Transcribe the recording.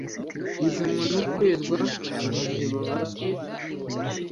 izanwa no kwezwa mu gihe babaswe no kwikunda numururumba